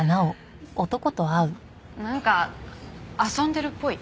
なんか遊んでるっぽい。